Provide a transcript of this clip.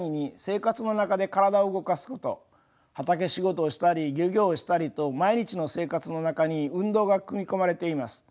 畑仕事をしたり漁業をしたりと毎日の生活の中に運動が組み込まれています。